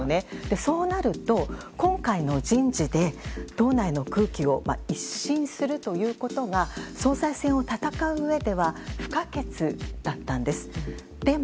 そうなると、今回の人事で、党内の空気を一新するということが、総裁選を戦ううえでは不可欠だったんです。